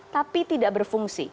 tapi tidak berfungsi